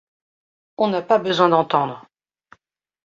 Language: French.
On n’a pas besoin d’entendre.